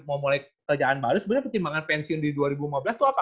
mau mulai kerjaan baru sebenarnya pertimbangan pensiun di dua ribu lima belas itu apa